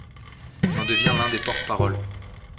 Il en devient l'un des porte-parole.